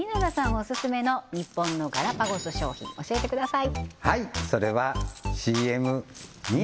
オススメの日本のガラパゴス商品教えてください